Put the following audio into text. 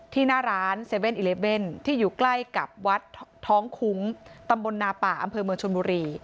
หน้าร้าน๗๑๑ที่อยู่ใกล้กับวัดท้องคุ้งตำบลนาป่าอำเภอเมืองชนบุรี